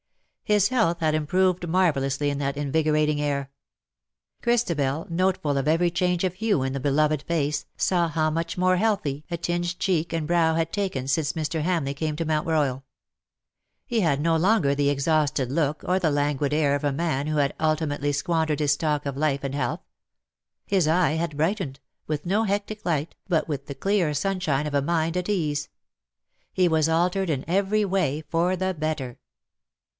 His health had im proved marvellously in that invigorating air. Chris tabel, noteful of every change of hue in the beloved face, saw how much more healthy a tinge cheek and brow had taken since Mr. Hamleigh came to Mount Royal. He had no longer the exhausted look or the languid air of a man who had untimely squandered his stock of life and health. His eye had brightened — with no hectic ^NOT DEATH, BUT LOVE.'" 135 liglit^ but with the clear sunshine of a mind at ease. He "was altered in every way for the better.